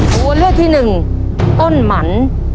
ตัวเลือกที่หนึ่งต้นหมัน